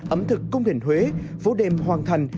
ẩm thực cung hình huế phố đềm hoàng thành